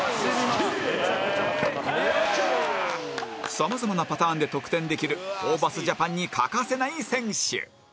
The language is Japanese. さまざまなパターンで得点できるホーバス ＪＡＰＡＮ に欠かせない選手